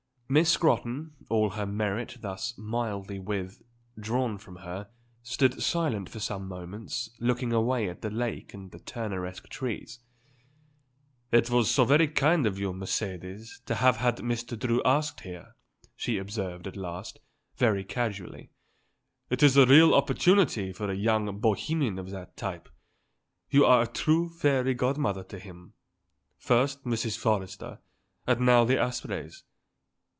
Miss Scrotton, all her merit thus mildly withdrawn from her, stood silent for some moments looking away at the lake and the Turneresque trees. "It was so very kind of you, Mercedes, to have had Mr. Drew asked here," she observed at last, very casually. "It is a real opportunity for a young bohemian of that type; you are a true fairy godmother to him; first Mrs. Forrester and now the Aspreys.